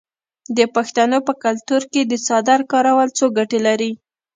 د پښتنو په کلتور کې د څادر کارول څو ګټې لري.